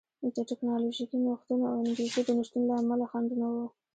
د ټکنالوژیکي نوښتونو او انګېزو د نشتون له امله خنډونه وو